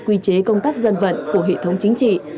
quy chế công tác dân vận của hệ thống chính trị